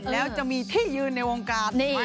แล้วก็จะมีที่ยืนในวงการ